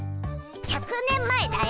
１００年前だよ！